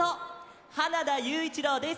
花田ゆういちろうです。